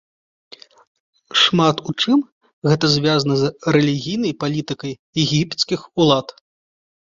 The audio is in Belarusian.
Шмат у чым гэта звязана з рэлігійнай палітыкай егіпецкіх улад.